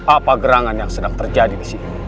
apa gerangan yang sedang terjadi di sini